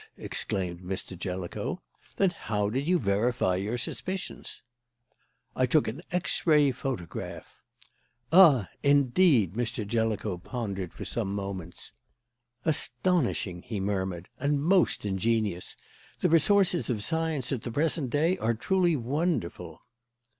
exclaimed Mr. Jellicoe. "Then how did you verify your suspicions?" "I took an X ray photograph." "Ah! Indeed!" Mr. Jellicoe pondered for some moments. "Astonishing!" he murmured; "and most ingenious. The resources of science at the present day are truly wonderful."